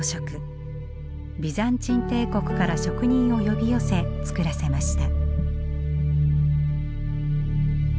ビザンチン帝国から職人を呼び寄せ作らせました。